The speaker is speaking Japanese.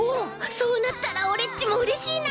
そうなったらオレっちもうれしいな！